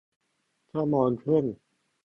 ชั่วโมงครึ่ง